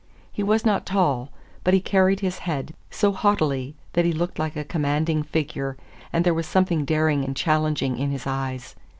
He was not tall, but he carried his head so haughtily that he looked a commanding figure, and there was something daring and challenging in his eyes.